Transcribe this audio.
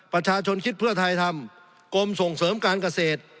ประชาชนคิดเพื่อไทยทำกรมส่งเสริมการเกษตร